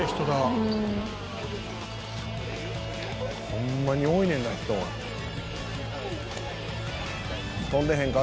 「ホンマに多いねんな人」「飛んでへんか？